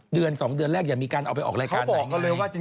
เดือน๒เดือนแรกอย่ามีการเอาไปออกรายการไหน